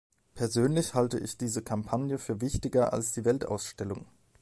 Persönlich halte ich diese Kampagne für wichtiger als die Weltausstellung.